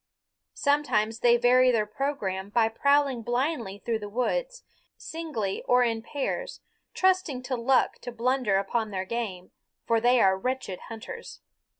Sometimes they vary their programme by prowling blindly through the woods, singly or in pairs, trusting to luck to blunder upon their game; for they are wretched hunters.